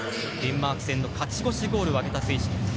デンマーク戦の勝ち越しゴールを挙げた選手。